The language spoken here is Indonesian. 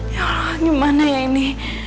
ya gimana ya ini